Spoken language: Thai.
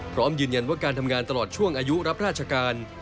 พร้อมยืนยันว่าการทำงานตลอดช่วงอายุรับราชการ